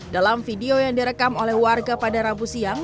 dalam video yang direkam oleh warga pada rabu siang